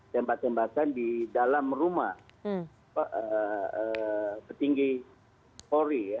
tembak tembakan di dalam rumah petinggi polri ya